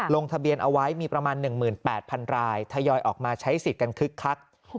ลงทะเบียนเอาไว้มีประมาณ๑๘๐๐๐รายทยอยออกมาใช้สิทธิ์กันคึกคัก